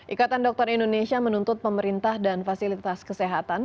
ikatan dokter indonesia menuntut pemerintah dan fasilitas kesehatan